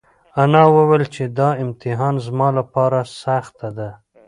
انا وویل چې دا امتحان زما لپاره سخته ده.